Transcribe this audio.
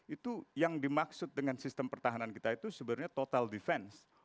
itu yang dimaksud dengan sistem pertahanan kita itu sebenarnya total defense